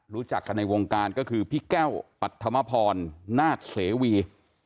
รู้จักกันในวงการก็คือพี่แก้วปัธมพรนาศเสวี